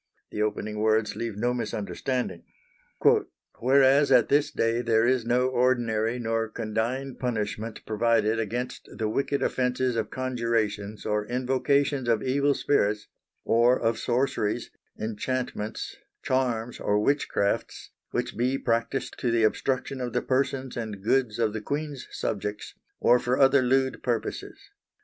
The opening words leave no misunderstanding: "Whereas at this day there is no ordinary nor condigne punishment provided against the wicked offences of conjurations or invocations of evil spirits, or of sorceries, inchantments, charmes or witchcraftes, which be practised to the obstruction of the persons and goods of the Queene's subjects, or for other lewd purposes.